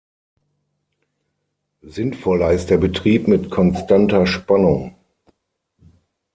Sinnvoller ist der Betrieb mit konstanter Spannung.